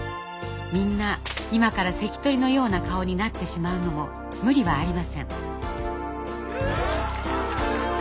みんな今から関取のような顔になってしまうのも無理はありません。